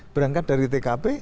berangkat dari tkp